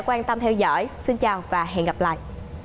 quan tâm theo dõi xin chào và hẹn gặp lại